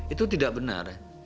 itu tidak benar